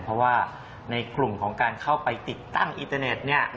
เพราะว่าในกลุ่มของการเข้าไปติดตั้งอินเตอร์เน็ตเนี่ย